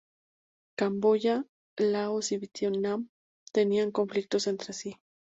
Camboya, Laos y Vietnam tenían conflictos entre sí.